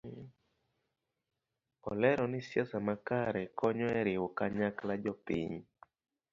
Olero ni siasa makare konyo e riwo kanyakla jopiny